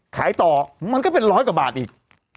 ขายต่อมันก็เป็นร้อยกว่าบาทอีก